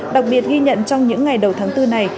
đặc biệt ghi nhận trong những ngày đầu tháng bốn này